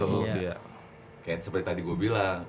kayak seperti tadi gue bilang